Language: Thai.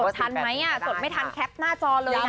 ทันไหมจดไม่ทันแคปหน้าจอเลย